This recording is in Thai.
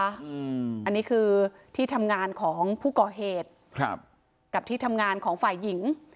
อันนี้คือที่ทำงานของผู้ก่อเหตุครับกับที่ทำงานของฝ่ายหญิง